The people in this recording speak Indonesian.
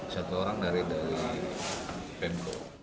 satu orang dari pemko